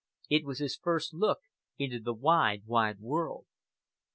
It was his first look into the wide, wide world.